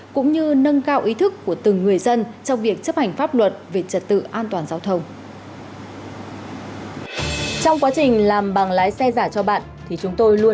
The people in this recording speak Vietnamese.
cũng như nâng cao ý thức của từng người dân trong việc chấp hành pháp luật về trật tự an toàn giao thông